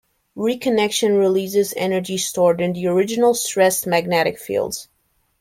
Reconnection releases energy stored in the original stressed magnetic fields.